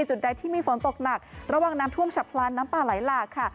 จุดใดที่มีฝนตกหนักระหว่างน้ำท่วมฉับพลันน้ำป่าไหลหลากค่ะ